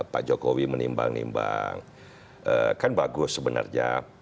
pak jokowi menimbang nimbang kan bagus sebenarnya